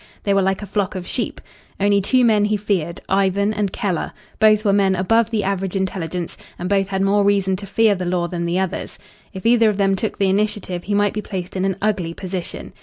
They were like a flock of sheep. Only two men he feared Ivan and Keller. Both were men above the average intelligence, and both had more reason to fear the law than the others. If either of them took the initiative he might be placed in an ugly position.